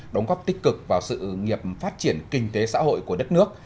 đóng góp tích cực vào sự nghiệp phát triển kinh tế xã hội của đất nước